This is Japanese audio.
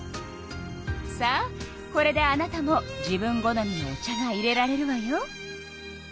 さあこれであなたも自分好みのお茶がいれられるわよ。